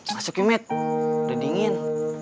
masuk yuk med udah dingin